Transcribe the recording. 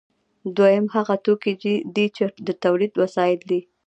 دویم هغه توکي دي چې د تولید وسایل دي.